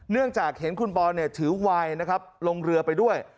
เนื่องจากเห็นคุณปอถือวายลงเรือไปด้วย